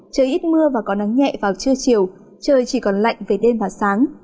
trời ít mưa và có nắng nhẹ vào trưa chiều trời chỉ còn lạnh về đêm và sáng